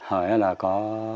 hồi đó là có